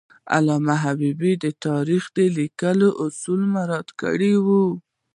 علامه حبیبي د تاریخ د لیکلو اصول مراعات کړي دي.